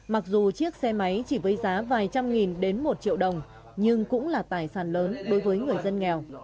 mặc dù chiếc xe máy chỉ với giá vài trăm nghìn đến một triệu đồng nhưng cũng là tài sản lớn đối với người dân nghèo